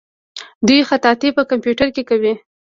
دوی خطاطي په کمپیوټر کې کوي.